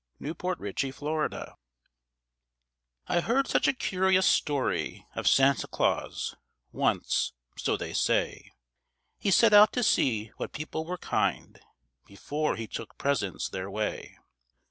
A CURIOUS STORY I heard such a curious story Of Santa Claus: once, so they say, He set out to see what people were kind, Before he took presents their way.